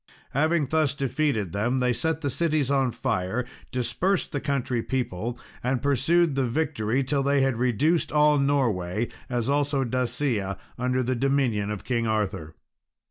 Having thus defeated them, they set the cities on fire, dispersed the country people, and pursued the victory till they had reduced all Norway, as also Dacia, under the dominion of King Arthur.